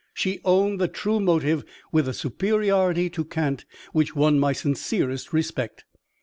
She owned the true motive with a superiority to cant which won my sincerest respect.